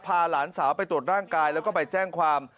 หลานสาวไปตรวจร่างกายแล้วก็ไปแจ้งความ